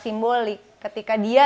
simbolik ketika dia